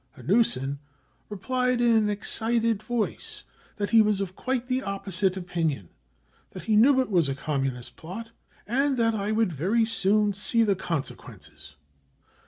Hanussen replied in an excited voice that he was of quite the opposite opinion, that he knew it was a Communist plot, and that I would very soon see the consequences.